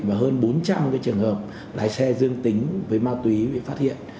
và hơn bốn trăm linh trường hợp lái xe dương tính với ma túy bị phát hiện